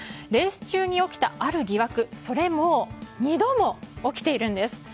レース中に起きたある疑惑それも２度も起きているんです。